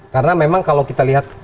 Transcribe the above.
karena memang kalau kita lihat